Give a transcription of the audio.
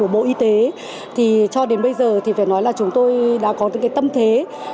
bộ y tế thì cho đến bây giờ thì phải nói là chúng tôi đã có những tâm thế